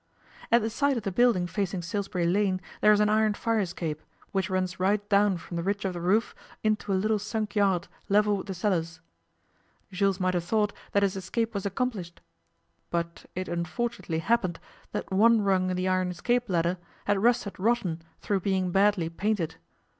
At the side of the building facing Salisbury Lane there is an iron fire escape, which runs right down from the ridge of the roof into a little sunk yard level with the cellars. Jules must have thought that his escape was accomplished. But it unfortunately happened that one rung in the iron escape ladder had rusted rotten through being badly painted.